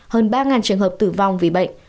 hơn ba trường hợp tử vong vì bệnh